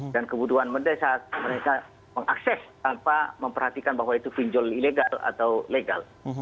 dan kebutuhan mereka saat mereka mengakses tanpa memperhatikan bahwa itu pinjol ilegal atau legal